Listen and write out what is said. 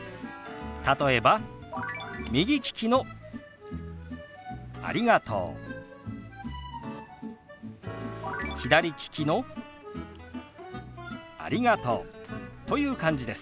例えば右利きの「ありがとう」左利きの「ありがとう」という感じです。